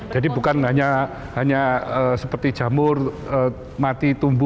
jadi bukan hanya seperti jamur mati tumbuh